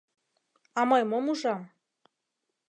А мый мом ужам?..